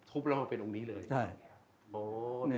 ทุบแล้วเป็นองค์นี้เลย